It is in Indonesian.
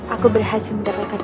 aku berhasil mendapatkan